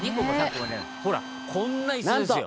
「ほらこんなイスですよ」